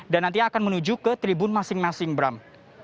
dan nantinya akan menuju ke tribun masing masing bram